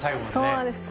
そうなんです。